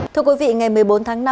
thưa quý vị ngày một mươi bốn tháng năm